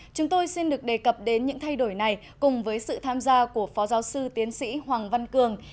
chúng tôi xin được đề cập đến những thay đổi này cùng với sự tham gia của phó giáo sư tiến sĩ hoàng văn cường